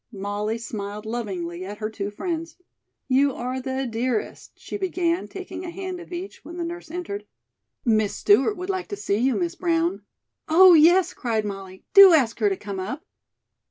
Molly smiled lovingly at her two friends. "You are the dearest " she began, taking a hand of each when the nurse entered. "Miss Stewart would like to see you, Miss Brown." "Oh, yes," cried Molly; "do ask her to come up."